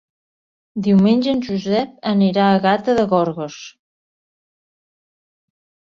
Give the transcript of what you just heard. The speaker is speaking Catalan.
Diumenge en Josep anirà a Gata de Gorgos.